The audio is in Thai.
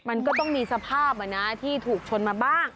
มันก็ต้องมีสภาพที่ถูกชนมาบ้าง